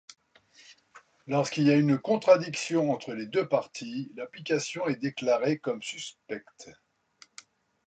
Lorsqu'il y a une contradiction entre les deux parties, l'application est déclarée comme suspecte.